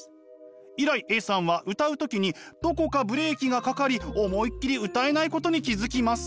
以来Ａさんは歌う時にどこかブレーキがかかり思いっきり歌えないことに気付きます。